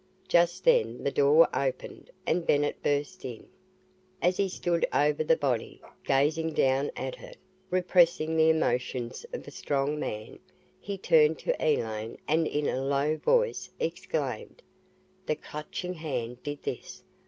Just then the door opened and Bennett burst in. As he stood over the body, gazing down at it, repressing the emotions of a strong man, he turned to Elaine and in a low voice, exclaimed, "The Clutching Hand did this!